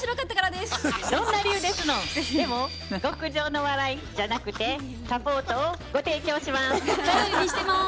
でも極上の笑いじゃなくてサポートをご提供します。